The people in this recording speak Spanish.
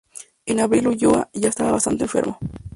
En abril Ulloa ya estaba bastante enfermo.